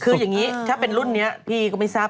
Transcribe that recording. คืออย่างนี้ถ้าเป็นรุ่นนี้พี่ก็ไม่ทราบ